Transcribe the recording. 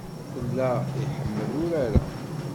Tella iḥemmel urar-a.